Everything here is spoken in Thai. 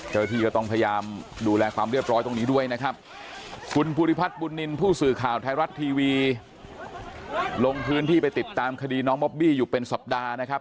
เจ้าหน้าที่ก็ต้องพยายามดูแลความเรียบร้อยตรงนี้ด้วยนะครับ